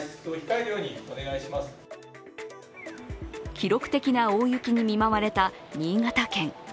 記録的な大雪に見舞われた新潟県。